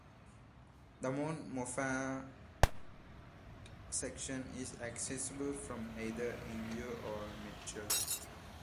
The Mount Moffatt section is accessible from either Injune or Mitchell.